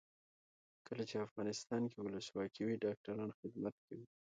کله چې افغانستان کې ولسواکي وي ډاکټران خدمت کوي.